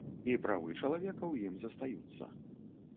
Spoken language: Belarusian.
І правы чалавека ў ім застаюцца.